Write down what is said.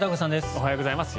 おはようございます。